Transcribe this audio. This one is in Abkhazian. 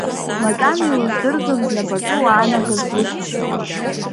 Макьана иуздырӡом знапаҿы уаанагаз зусҭцәоу…